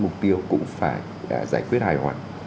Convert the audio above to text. một cái mục tiêu cũng phải giải quyết hài hoạn